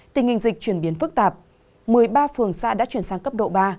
tình hình dịch chuyển biến phức tạp một mươi ba phường xã đã chuyển sang cấp độ ba